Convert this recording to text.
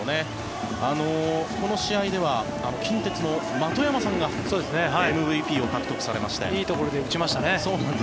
この試合では近鉄の的山さんがＭＶＰを獲得されましていいところで打ちましたね。